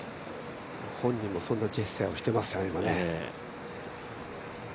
本人もそんなジェスチャーをしていますね。